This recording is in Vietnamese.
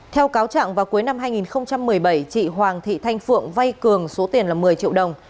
theo cáo trạng vào cuối năm hai nghìn một mươi bảy chị hoàng thị thanh phượng vay cường số tiền là một mươi triệu đồng